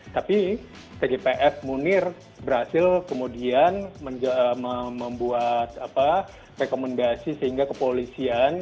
tapi tgpf munir berhasil kemudian membuat rekomendasi sehingga kepolisian